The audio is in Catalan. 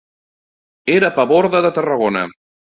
Era paborde de Tarragona.